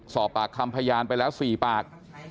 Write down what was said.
สอบปากคำพยานไปแล้ว๔ปาก